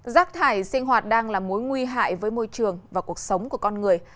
rác thải sinh hoạt đang là mối nguy hại với môi trường và cuộc sống của con người